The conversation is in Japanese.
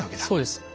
そうです。